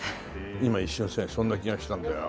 今一瞬ねそんな気がしたんだよ。